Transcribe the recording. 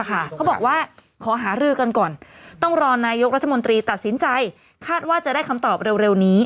เขาบอกว่าขอหารือกันก่อนต้องรอนายกรัฐมนตรีตัดสินใจคาดว่าจะได้คำตอบเร็วนี้